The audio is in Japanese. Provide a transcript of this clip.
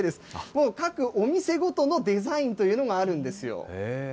もう各お店ごとのデザインというのがあるんですよ。